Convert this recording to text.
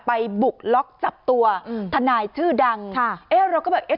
บุกล็อกจับตัวอืมทนายชื่อดังค่ะเอ๊ะเราก็แบบเอ๊ะ